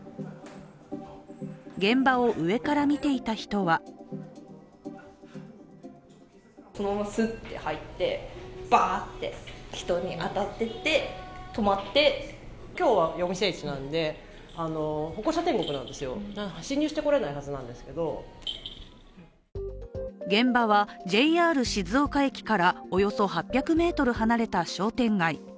現場を上から見ていた人は現場はＪＲ静岡駅からおよそ８００ｍ離れた商店街。